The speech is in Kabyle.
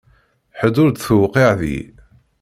Ḥedd ur t-tewqiɛ deg-i.